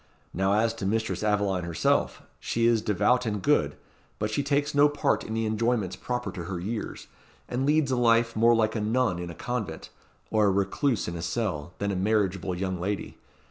Now, as to Mistress Aveline herself, she is devout and good; but she takes no part in the enjoyments proper to her years, and leads a life more like a nun in a convent, or a recluse in a cell, than a marriageable young lady.